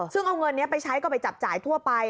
ซึ่งเอาเงินนี้ไปใช้ก็ไปจับจ่ายทั่วไป